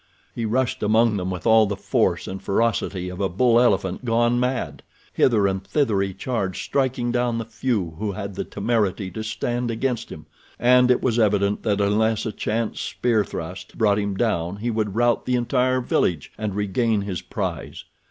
He rushed among them with all the force and ferocity of a bull elephant gone mad. Hither and thither he charged striking down the few who had the temerity to stand against him, and it was evident that unless a chance spear thrust brought him down he would rout the entire village and regain his prize.